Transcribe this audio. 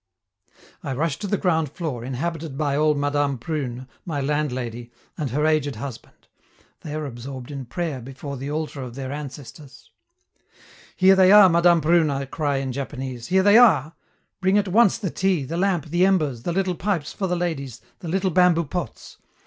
I rush to the ground floor, inhabited by old Madame Prune, my landlady, and her aged husband; they are absorbed in prayer before the altar of their ancestors. "Here they are, Madame Prune," I cry in Japanese; "here they are! Bring at once the tea, the lamp, the embers, the little pipes for the ladies, the little bamboo pots!